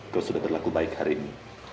kau sudah berlaku baik hari ini